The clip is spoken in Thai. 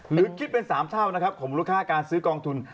หรือคิดเป็น๓เท่านะครับของมูลค่าการซื้อกองทุน